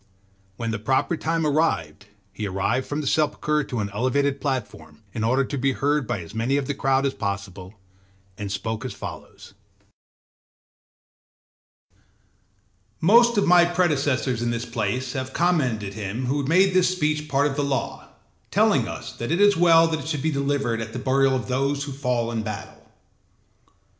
When the proper time arrived, he advanced from the sepulchre to an elevated platform in order to be heard by as many of the crowd as possible, and spoke as follows: âMost of my predecessors in this place have commended him who made this speech part of the law, telling us that it is well that it should be delivered at the burial of those who fall in battle.